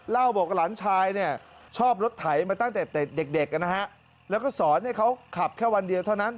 เล่าบอกหลานชายเนี่ยชอบรถไถมาตั้งแต่เด็กนะฮะแล้วก็สอนให้เขาขับแค่วันเดียวเท่านั้น